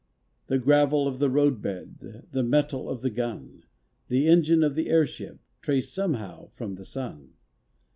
The gravel of the roadbed, The metal of the gun, The engine of the airship Trace somehow from the sun.